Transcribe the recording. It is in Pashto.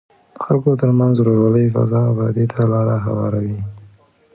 د خلکو ترمنځ د ورورولۍ فضا ابادۍ ته لاره هواروي.